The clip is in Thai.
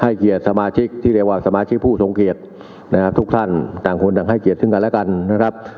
เกียรติสมาชิกที่เรียกว่าสมาชิกผู้ทรงเกียรตินะฮะทุกท่านต่างคนต่างให้เกียรติซึ่งกันแล้วกันนะครับ